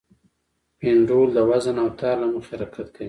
پینډول د وزن او تار له مخې حرکت کوي.